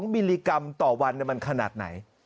มิลลิกรัมต่อวันมันขนาดไหน